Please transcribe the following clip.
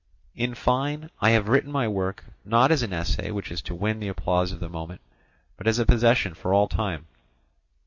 In fine, I have written my work, not as an essay which is to win the applause of the moment, but as a possession for all time.